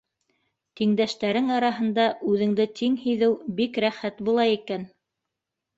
Тиңдәштәрең араһында үҙеңде тиң һиҙеү бик рәхәт була икән.